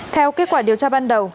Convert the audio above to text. theo kết quả điều tra ban đầu